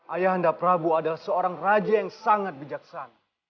ayah anda prabu adalah seorang raja yang sangat bijaksana